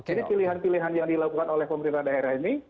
ini pilihan pilihan yang dilakukan oleh pemerintah daerah ini